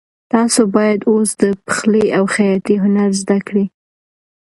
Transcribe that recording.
تاسو باید اوس د پخلي او خیاطۍ هنر زده کړئ.